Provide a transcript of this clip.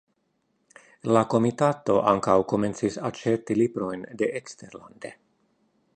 La komitato ankaŭ komencis aĉeti librojn de eksterlande.